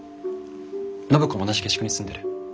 暢子も同じ下宿に住んでる。